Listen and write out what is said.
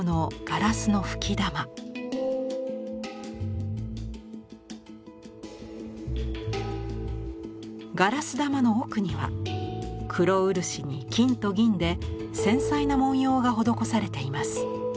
ガラス玉の奥には黒漆に金と銀で繊細な文様が施されています。